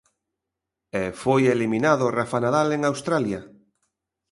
E foi eliminado Rafa Nadal en Australia.